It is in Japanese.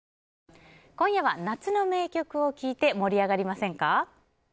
今夜は夏の名曲を聴いて盛り上がりませんか？